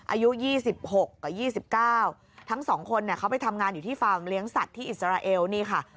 อายุ๒๖กับ๒๙ทั้งสองคนเนี่ยเขาไปทำงานอยู่ที่ฟาร์มเลี้ยงสัตว์ที่อิสราเอลนี่ค่ะ